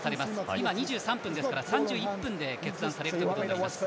今２３分ですから３１分で決断されることになります。